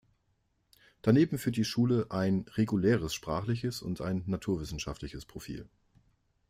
Daneben führt die Schule ein reguläres sprachliches und ein naturwissenschaftliches Profil.